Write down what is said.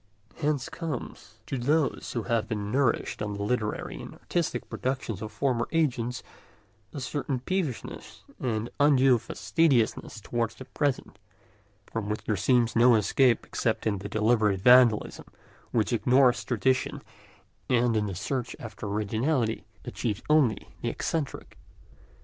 Hence comes, to those who have been nourished on the literary and artistic productions of former ages, a certain peevishness and undue fastidiousness towards the present, from which there seems no escape except into the deliberate vandalism which ignores tradition and in the search after originality achieves only the eccentric.